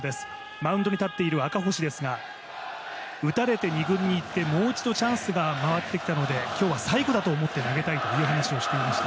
マウンドに入っている赤星ですが打たれて２軍に行って、もう一度チャンスが回ってきたので今日は最後だと思って投げたいという話をしてきました。